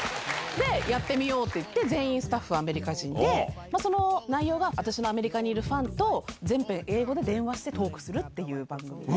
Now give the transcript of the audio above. やってみようっていって、全員スタッフはアメリカ人で、その内容が私のアメリカにいるファンと全編英語で電話してトークするっていう番組で。